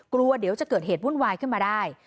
กลัวเดี๋ยวจะเกิดเหตุวุ่นวายขึ้นมาได้